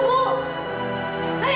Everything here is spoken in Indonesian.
ibu mencintai aku